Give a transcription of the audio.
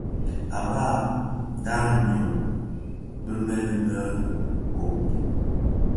À bab a màa nyɔng bi mëli mɛ kob.